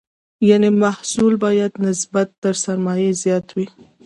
یعنې محصول باید نسبت تر سرمایې زیات وي.